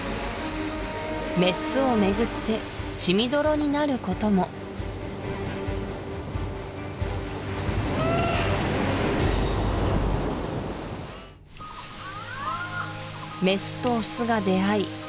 メスをめぐって血みどろになることもメスとオスが出会い